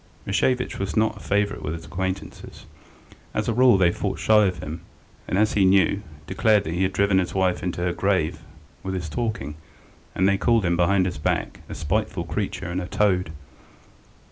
Rashevitch was not a favourite with his acquaintances; as a rule they fought shy of him, and, as he knew, declared that he had driven his wife into her grave with his talking, and they called him, behind his back, a spiteful creature and a toad.